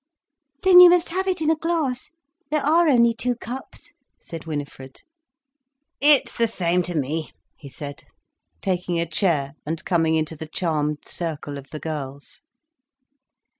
"Then you must have it in a glass—there are only two cups," said Winifred. "It is the same to me," he said, taking a chair and coming into the charmed circle of the girls.